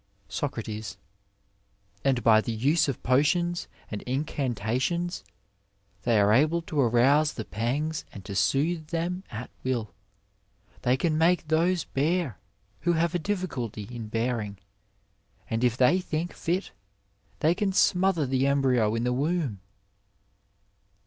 Soc And l:^ the use of potions and incantations they are able to arouse the pangs and to soothe them at will ; they can make those bear who have a difficulty in bearing, and if they think fit, they can smother the embryo in the womb.